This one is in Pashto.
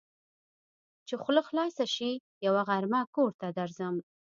چې خوله خلاصه شي؛ يوه غرمه کور ته درځم.